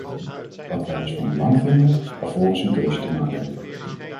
Wat wij dus van belang vinden, alvorens een keuze te maken, ...